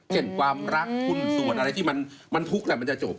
เห็นความรักคุณส่วนอะไรที่มันทุกข์แหละมันจะจบ